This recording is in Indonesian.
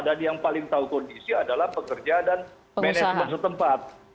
dan yang paling tahu kondisi adalah pekerja dan pengusaha setempat